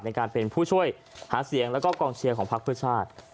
ในการเป็นผู้ช่วยหาเสียงแล้วก็กองเชียร์ของพักเพื่อชาติ